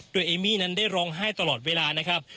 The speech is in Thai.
โดยเอมี่นั้นได้ร้องไห้ตลอดเวลานะครับ